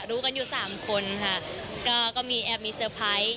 รู้กันอยู่สามคนค่ะก็มีแอบมีเซอร์ไพรส์